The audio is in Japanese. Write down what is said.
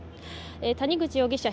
谷口容疑者